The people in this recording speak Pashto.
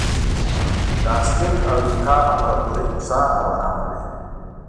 د ازتېک او اینکا امپراتورۍ هوسا او ارامه وې.